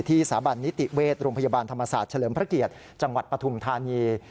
สถาบันนิติเวชโรงพยาบาลธรรมศาสตร์เฉลิมพระเกียรติจังหวัดปฐุมธานี